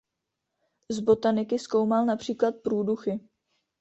Z botaniky zkoumal například průduchy.